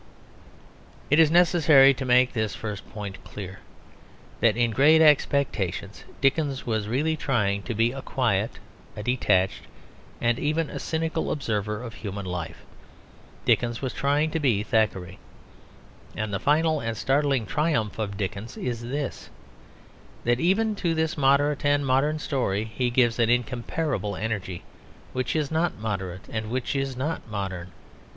It is necessary to make this first point clear: that in Great Expectations Dickens was really trying to be a quiet, a detached, and even a cynical observer of human life. Dickens was trying to be Thackeray. And the final and startling triumph of Dickens is this: that even to this moderate and modern story, he gives an incomparable energy which is not moderate and which is not modern.